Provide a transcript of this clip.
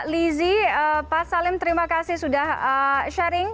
lizzie pak salim terima kasih sudah sharing